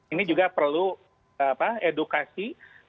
ini juga perlu edukasi